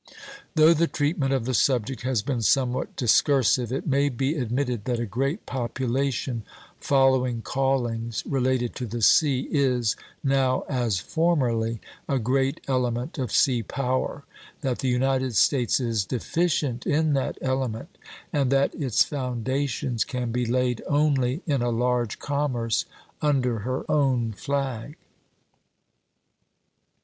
Though the treatment of the subject has been somewhat discursive, it may be admitted that a great population following callings related to the sea is, now as formerly, a great element of sea power; that the United States is deficient in that element; and that its foundations can be laid only in a large commerce under her own flag.